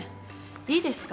いいですか？